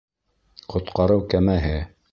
Ҡотҡарыу кәмәһе